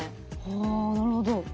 はあなるほど。